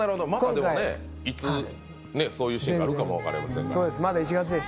いつそういうシーンがあるかも分かりませんし。